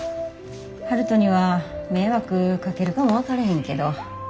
悠人には迷惑かけるかも分かれへんけど。